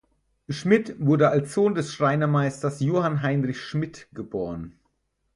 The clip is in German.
Schmidt wurde als Sohn des Schreinermeisters Johann Heinrich Schmidt geboren.